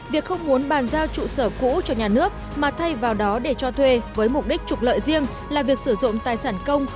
việc không muốn bàn giao trụ sở cũ cho nhà nước mà thay vào đó để cho thuê với mục đích trục lợi riêng